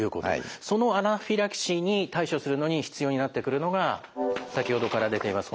そのアナフィラキシーに対処するのに必要になってくるのが先ほどから出ています